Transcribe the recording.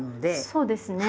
そうですね。